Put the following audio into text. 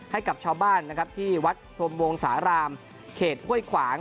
ให้กับชาวบ้านนะครับที่วัดพรมวงสารามเขตห้วยขวาง